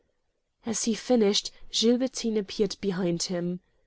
As he finished, Gilbertine appeared behind him.